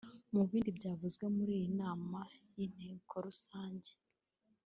Mu bindi byavuzwe muri iyi nama y’inteko rusange